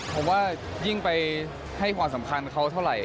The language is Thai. ผมว่ายิ่งไปให้ความสำคัญเขาเท่าไหร่